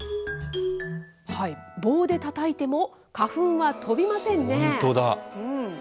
棒でたたいても花粉は飛びませんね。